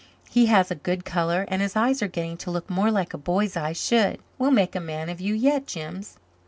He has a good color and his eyes are getting to look more like a boy's eyes should. We'll make a man of you yet, Jims."